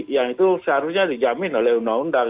yang itu seharusnya dijamin oleh undang undang